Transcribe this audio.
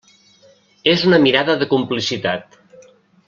És una mirada de complicitat.